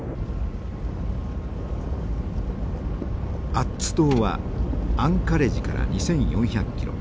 アッツ島はアンカレジから２，４００ｋｍ。